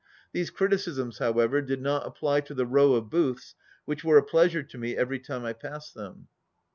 These 34 criticisms, however, did not apply to the row of booths which were a pleasure to me every time I passed them.